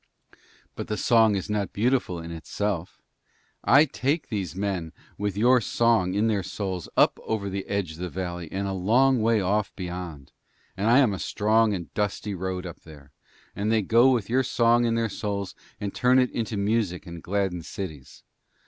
But the song is not beautiful in itself. I take these men with your song in their souls up over the edge of the valley and a long way off beyond, and I am a strong and dusty road up there, and they go with your song in their souls and turn it into music and gladden cities.